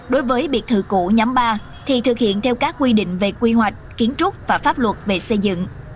đối với biệt thự cũ nhóm ba thì thực hiện theo các quy định về quy hoạch kiến trúc và pháp luật về xây dựng